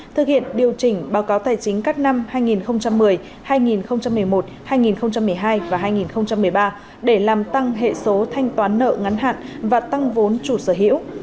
thực hiện điều chỉnh báo cáo tài chính các năm hai nghìn một mươi hai nghìn một mươi một hai nghìn một mươi hai và hai nghìn một mươi ba để làm tăng hệ số thanh toán nợ ngắn hạn và tăng vốn chủ sở hữu